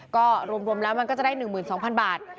ก็รวมแล้วมันก็จะได้๑๒๐๐๐บาท